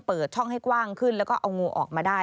เปิดช่องให้กว้างขึ้นแล้วก็เอางูออกมาได้